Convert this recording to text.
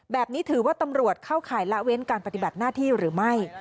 แบบนี้ถือว่าตำรวจเข้าข่ายละเว้นการปฏิบัติหน้าที่หรือไม่